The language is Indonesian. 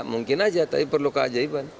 mungkin aja tapi perlu keajaiban